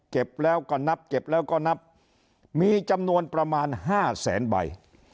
เก็บแล้วก็นับเก็บแล้วก็นับมีจำนวนประมาณ๕แสนใบ